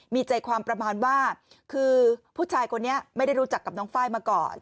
มีใจความประมาณว่าคือผู้ชายคนนี้ไม่ได้รู้จักกับน้องไฟล์มาก่อน